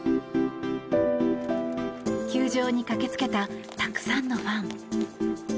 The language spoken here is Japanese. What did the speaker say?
球場に駆け付けたたくさんのファン。